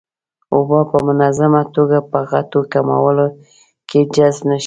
اوبه په منظمه توګه په غټو کولمو کې جذب نشي.